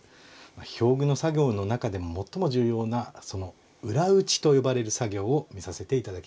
表具の作業の中でも最も重要なその「裏打ち」と呼ばれる作業を見させて頂きます。